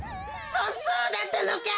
そそうだったのか！